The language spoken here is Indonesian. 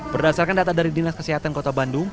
berdasarkan data dari dinas kesehatan kota bandung